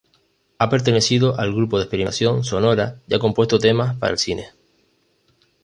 Ha pertenecido al Grupo de Experimentación Sonora y ha compuesto temas para el cine.